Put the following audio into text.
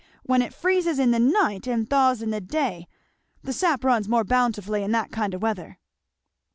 when it friz in the night and thaws in the day; the sap runs more bountifully in that kind o' weather."